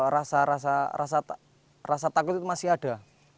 rasa rasa rasa rasa takut itu masih ada